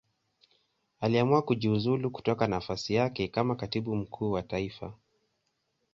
Aliamua kujiuzulu kutoka nafasi yake kama Katibu Mkuu wa Taifa.